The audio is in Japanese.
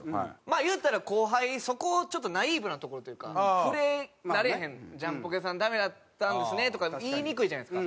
言うたら後輩そこちょっとナイーブなところというか触れられへん「ジャンポケさんダメやったんですね」とかって言いにくいじゃないですか。